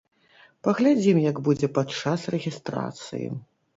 Паглядзім як будзе падчас рэгістрацыі.